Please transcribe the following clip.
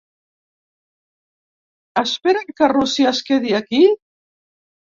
Esperen que Rússia es quedi aquí?